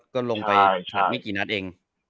ก็ลงไปถามนี้กี่นัดเอง